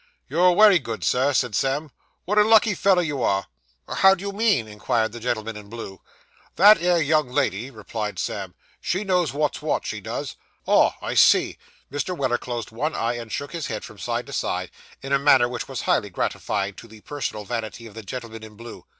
'You're wery good, sir,' said Sam. 'What a lucky feller you are!' 'How do you mean?' inquired the gentleman in blue. 'That 'ere young lady,' replied Sam. 'She knows wot's wot, she does. Ah! I see.' Mr. Weller closed one eye, and shook his head from side to side, in a manner which was highly gratifying to the personal vanity of the gentleman in blue.